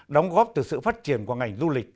đóng góp từ sự phát triển của ngành du lịch